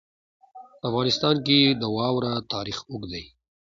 په افغانستان کې د واوره تاریخ اوږد دی.